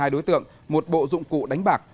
một mươi hai đối tượng một bộ dụng cụ đánh bạc